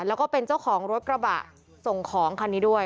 แล้วก็เป็นเจ้าของรถกระบะส่งของคันนี้ด้วย